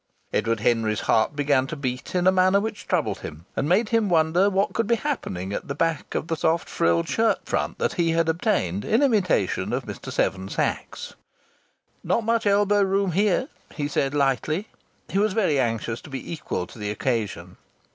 Edward Henry's heart began to beat in a manner which troubled him and made him wonder what could be happening at the back of the soft frilled shirt front that he had obtained in imitation of Mr. Seven Sachs. "Not much elbow room here!" he said lightly. He was very anxious to be equal to the occasion.